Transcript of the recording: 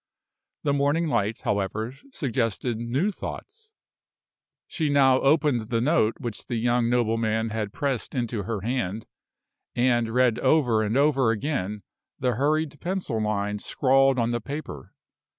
The morning light, however, suggested new thoughts. She now opened the note which the young nobleman had pressed into her hand, and read over and over again the hurried pencil lines scrawled on the paper.